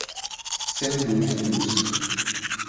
St. Louis Blues.